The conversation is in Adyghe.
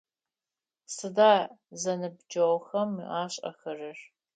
Сыда зэныбджэгъухэм ашӏэхэрэр?